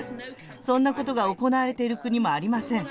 そんなことが行われている国もありません。